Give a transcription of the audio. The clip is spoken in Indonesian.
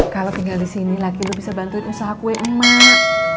kalau tinggal disini laki lo bisa bantuin usaha kue emak